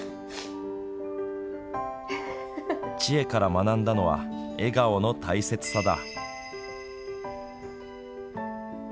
チエから学んだのは笑顔の大切さだ。